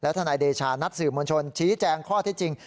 ทนายเดชานัดสื่อมวลชนชี้แจงข้อที่จริง